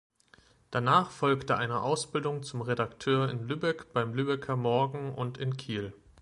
Danach folgte eine Ausbildung zum Redakteur in Lübeck beim Lübecker Morgen und in Kiel.